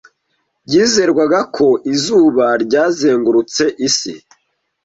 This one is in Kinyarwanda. Byizerwaga ko izuba ryazengurutse isi.